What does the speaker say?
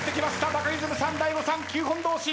バカリズムさん大悟さん９本同士。